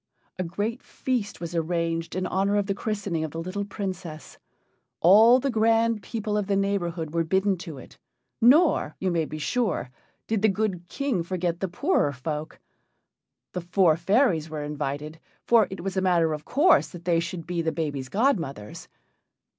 A great feast was arranged in honor of the christening of the little Princess. All the grand people of the neighborhood were bidden to it, nor, you may be sure, did the good King forget the poorer folk. The four fairies were invited, for it was a matter of course that they should be the baby's godmothers.